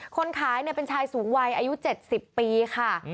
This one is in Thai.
คนขายเป็นชายสูงวัยอายุ๗๐ปีค่ะ